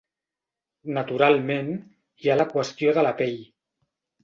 Naturalment, hi ha la qüestió de la pell.